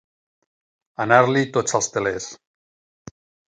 Anar-li tots els telers.